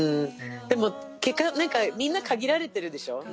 結果、みんな限られてるでしょ。